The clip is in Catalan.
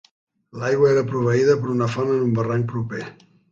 L'aigua era proveïda per una font en un barranc proper.